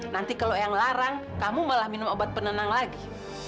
nanti kalau yang larang kamu malah minum obat penenang lagi